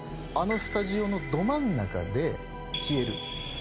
あのスタジオのど真ん中で、消える。